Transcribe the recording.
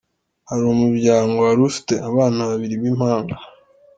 Hari umuryango wari ufite abana babiri b’impanga.